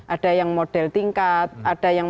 ada yang model tingkat ada yang